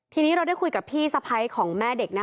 ทีนี้เราได้คุยกับพี่สะพ้ายของแม่เด็กนะ